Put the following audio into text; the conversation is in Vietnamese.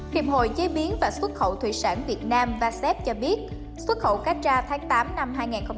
hiệp hội chế biến và xuất khẩu thủy sản việt nam cho biết xuất khẩu cacha tháng tám năm hai nghìn hai mươi hai